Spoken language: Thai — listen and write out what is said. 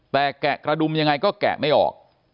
แต่แกะกระดุมยังไงก็แกะไม่ออก